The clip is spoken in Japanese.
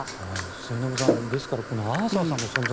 末延さん、ですからアーサーさんの存在